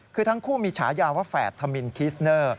คือทั้งคู่มีฉายาว่าแฝดธมินคิสเนอร์